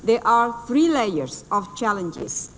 ada tiga jenis tantangan